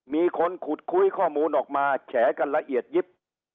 มีคนขุดคุยข้อมูลออกมาแฉกันละเอียดยิบ